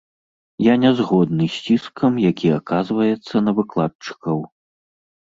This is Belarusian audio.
Я не згодны з ціскам, які аказваецца на выкладчыкаў.